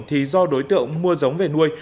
thì do đối tượng mua giống về nuôi